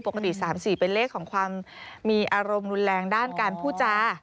ปกติ๓๔เป็นเลขของความมีอารมณ์รุนแรงด้านการพูดจา